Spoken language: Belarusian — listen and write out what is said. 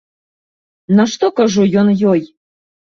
На што, кажу, ён ёй?